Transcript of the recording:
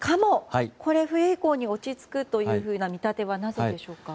これ、冬以降に落ち着くという見立てはなぜでしょうか。